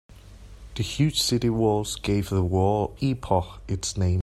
The huge city walls gave the wall epoch its name.